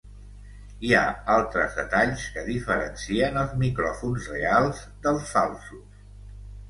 Hi ha altres detalls que diferencien els micròfons reals dels falsos.